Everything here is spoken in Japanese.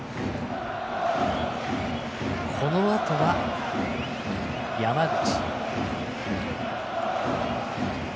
このあとは、山口。